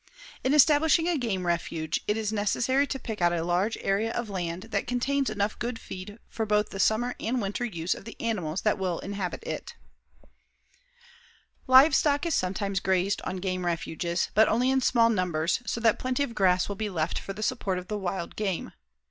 In establishing a game refuge, it is necessary to pick out a large area of land that contains enough good feed for both the summer and winter use of the animals that will inhabit it. [Illustration: A FOREST RANGER AND HIS FOREST CABIN] Livestock is sometimes grazed on game refuges, but only in small numbers, so that plenty of grass will be left for the support of the wild game.